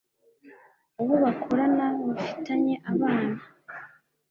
uwo bakorana bafitanye abana